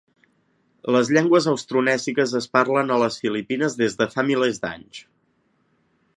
Les llengües austronèsiques es parlen a les Filipines des de fa milers d'anys.